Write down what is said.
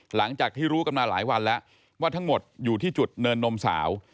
หลังจากที่รู้กันมาหลายวันแล้วว่าทั้งหมดอยู่ที่จุดเนินนมสาว